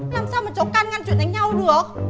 làm sao mà chỗ can ngăn chuyện đánh nhau được